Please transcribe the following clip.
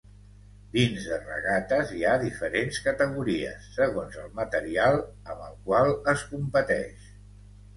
Dins de regates hi ha diferents categories, segons el material amb el qual es competeix.